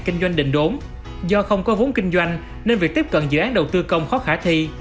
kinh doanh định đốn do không có vốn kinh doanh nên việc tiếp cận dự án đầu tư công khó khả thi